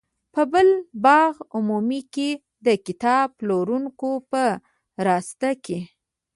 په پل باغ عمومي کې د کتاب پلورونکو په راسته کې.